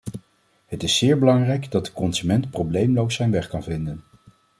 Het is zeer belangrijk dat de consument probleemloos zijn weg kan vinden.